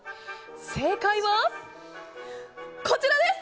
正解は、こちらです！